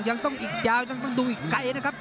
ยังต้องอีกยาวยังต้องดูอีกไกลนะครับ